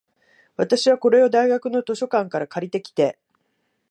私は、これを大学の図書館から借りてきて、